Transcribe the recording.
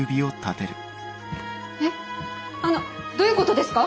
えっあのどういうことですか？